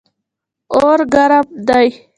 اور ګرم دی.